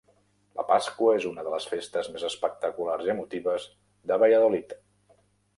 La Pasqua és una de les festes més espectaculars i emotives de Valladolid.